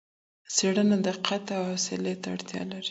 څېړنه دقت او حوصلې ته اړتیا لري.